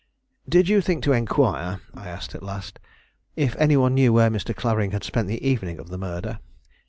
"Did you think to inquire," I asked at last, "if any one knew where Mr. Clavering had spent the evening of the murder?"